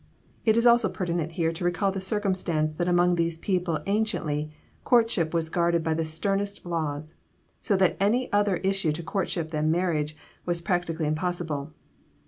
It is also pertinent here to recall the circumstance that among these people anciently, courtship was guarded by the sternest laws, so that any other issue to courtship than marriage was practically impossible.